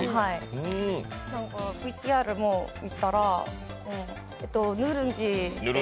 ＶＴＲも見たらヌルンジっていう。